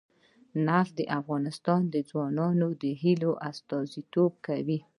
نفت د افغان ځوانانو د هیلو استازیتوب کوي.